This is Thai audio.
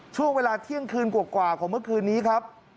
ช่วงเวลาเที่ยงคืนกว่าของเมื่อคืนนี้ครับ